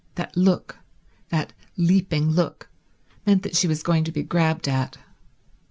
That look, that leaping look, meant that she was going to be grabbed at.